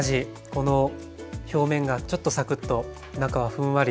この表面がちょっとサクッと中はふんわり。